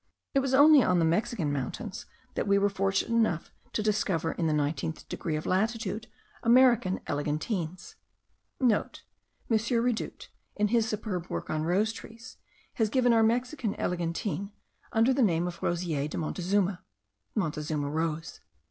It was only on the Mexican mountains that we were fortunate enough to discover, in the nineteenth degree of latitude, American eglantines.* (* M. Redoute, in his superb work on rose trees, has given our Mexican eglantine, under the name of Rosier de Montezuma, Montezuma rose.)